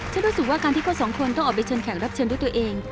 รู้สึกว่าการที่เขาสองคนต้องออกไปเชิญแขกรับเชิญด้วยตัวเอง